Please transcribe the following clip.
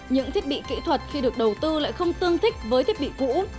những thiết bị kỹ thuật khi được đầu tư lại không tương thích với thiết bị cũ